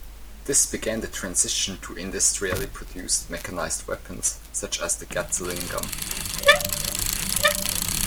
This began the transition to industrially produced mechanised weapons such as the Gatling gun.